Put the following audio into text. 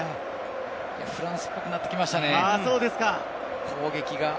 フランスっぽくなってきましたね、攻撃が。